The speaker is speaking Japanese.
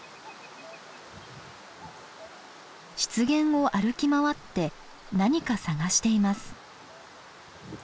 湿原を歩き回って何か探しています。